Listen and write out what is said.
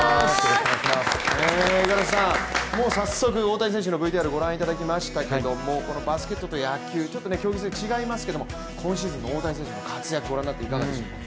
五十嵐さん、もう早速、大谷選手のＶＴＲをご覧いただきましたけどこのバスケットと野球競技性、違いますけども今シーズンの大谷選手の活躍、御覧になっていかがでしょうか。